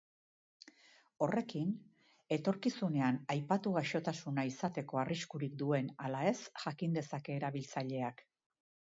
Horrekin, etorkizunean aipatu gaixotasuna izateko arriskurik duen ala ez jakin dezake erabiltzaileak.